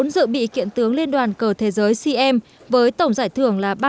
bốn dự bị kiện tướng liên đoàn cờ thế giới cm với tổng giải thưởng là